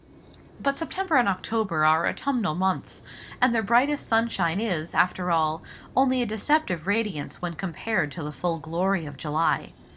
But September and October are autumnal months; and their brightest sunshine is, after all, only a deceptive radiance when compared to the full glory of July.